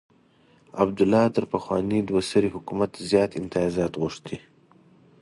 عبدالله تر پخواني دوه سري حکومت زیات امتیازات غوښتي.